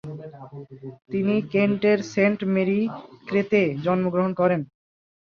তিনি কেন্টের Saint Mary ক্রেতে জন্মগ্রহণ করেন।